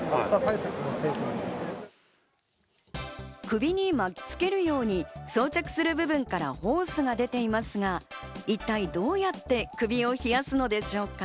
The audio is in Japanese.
首に巻きつけるように装着する部分からホースが出ていますが、一体どうやって首を冷やすのでしょうか？